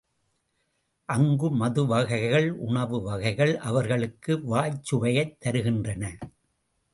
அங்கு மது வகைகள் உணவு வகைகள் அவர்களுக்கு வாய்ச் சுவையைத் தருகின்றன.